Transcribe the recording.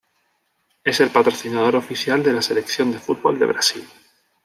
Es el patrocinador oficial de la Selección de fútbol de Brasil.